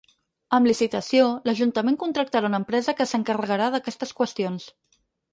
Amb licitació, l’ajuntament contractarà una empresa que s’encarregarà d’aquestes qüestions.